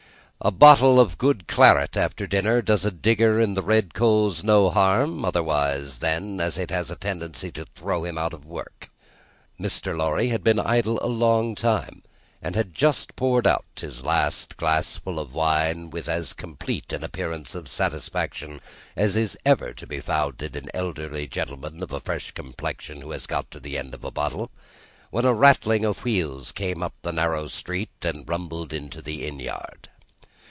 A bottle of good claret after dinner does a digger in the red coals no harm, otherwise than as it has a tendency to throw him out of work. Mr. Lorry had been idle a long time, and had just poured out his last glassful of wine with as complete an appearance of satisfaction as is ever to be found in an elderly gentleman of a fresh complexion who has got to the end of a bottle, when a rattling of wheels came up the narrow street, and rumbled into the inn yard.